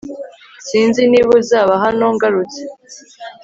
Sinzi niba uzaba hano ngarutse